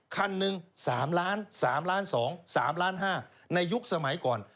คันนึง๓ล้าน๓ล้าน๒และ๓ล้าน๕